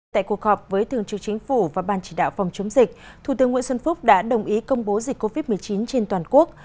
tại cuộc họp với thường trực chính phủ và ban chỉ đạo phòng chống dịch thủ tướng nguyễn xuân phúc đã đồng ý công bố dịch covid một mươi chín trên toàn quốc